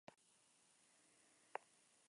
Fruto en cápsula más o menos globosa, pubescente.